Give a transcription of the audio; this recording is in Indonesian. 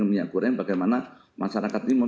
minyak goreng bagaimana masyarakat timur